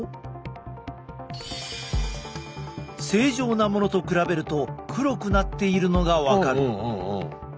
正常なものと比べると黒くなっているのが分かる。